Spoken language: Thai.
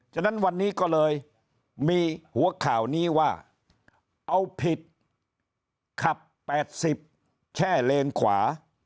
ฉะนั้นวันนี้ก็เลยมีหัวข่าวนี้ว่าเอาผิดขับ๘๐แช่เลนขวา